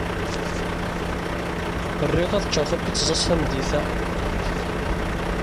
RiƔ ad ččeƔ tapizzat tameddit-a.